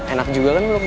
enak juga kan blok gua